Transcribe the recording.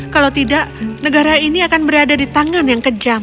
kalau tidak negara ini akan berada di tangan yang kejam